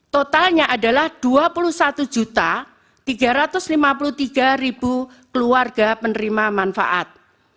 totalnya adalah dua puluh satu tiga ratus lima puluh tiga keluarga penerima manfaat